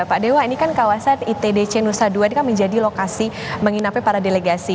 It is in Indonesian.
pak dewa ini kan kawasan itdc nusa dua ini kan menjadi lokasi menginapnya para delegasi